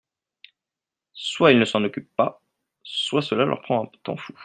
Soit ils ne s’en occupent pas, soit cela leur prend un temps fou.